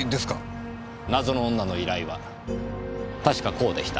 謎の女の依頼は確かこうでした。